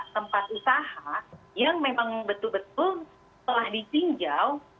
tempat usaha yang memang betul betul telah ditinjau